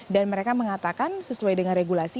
dan mereka mengatakan sesuai dengan regulasi